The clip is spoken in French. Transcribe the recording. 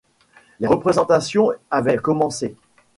Les représentations avaient commencé.